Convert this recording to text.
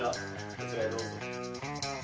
こちらへどうぞ。